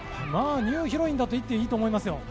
ニューヒロインと言っていいと思いますよ。